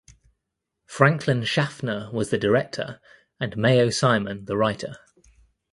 Franklin Schaffner was the director and Mayo Simon the writer.